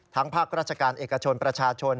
ภาคราชการเอกชนประชาชน